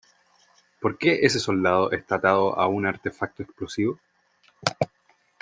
¿ Por qué ese soldado está atado a un artefacto explosivo ?